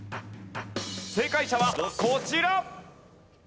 正解者はこちら。